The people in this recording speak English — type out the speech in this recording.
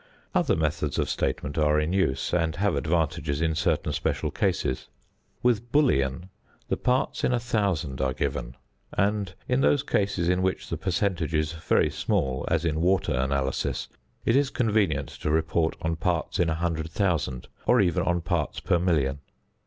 Other methods of statement are in use, and have advantages in certain special cases. With bullion the parts in a thousand are given, and in those cases in which the percentage is very small, as in water analysis, it is convenient to report on parts in 100,000, or even on parts per 1,000,000.